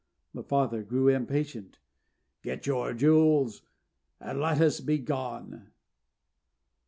The father grew impatient. "Get your jewels and let us be gone!"